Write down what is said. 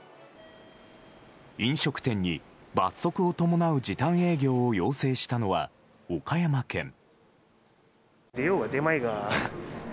飲食店に罰則を伴う時短営業を要請したのは岡山県。